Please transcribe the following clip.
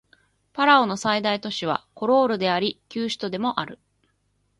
パラオの最大都市はコロールであり旧首都でもある